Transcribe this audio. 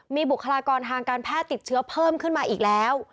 มีบุคลากรทางการแพทย์ติดเชื้อเพิ่มขึ้นมาอีกแล้ว